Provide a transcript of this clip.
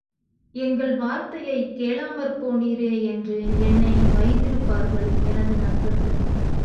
எங்கள் வார்த்தையைக் கேளாமற் போனீரே என்று என்னை வைதிருப்பார்கள் எனது நண்பர்கள்.